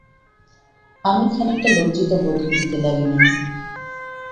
আমি খানিকটা লজ্জিত বোধ করতে লাগিলাম।